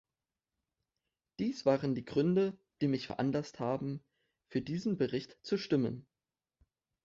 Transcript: Dies waren die Gründe, die mich veranlasst haben, für diesen Bericht zu stimmen.